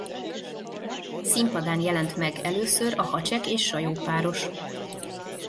Színpadán jelent meg először a Hacsek és Sajó páros.